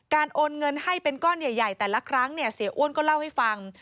โอนเงินให้เป็นก้อนใหญ่แต่ละครั้งเนี่ยเสียอ้วนก็เล่าให้ฟัง